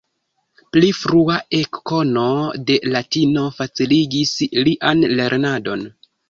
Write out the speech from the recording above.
Pli frua ekkono de latino faciligis lian lernadon.